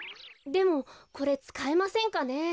でもこれつかえませんかね。